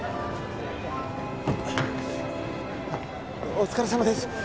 お疲れさまです